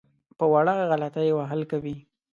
په وړه غلطۍ وهل کوي.